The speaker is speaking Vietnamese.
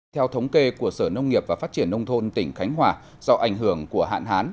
theo thống kê của sở nông nghiệp và phát triển nông thôn tỉnh khánh hòa do ảnh hưởng của hạn hán